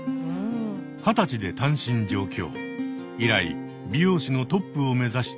二十歳で単身上京。